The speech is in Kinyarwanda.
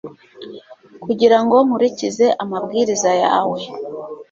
kugira ngo nkurikize amabwiriza yawe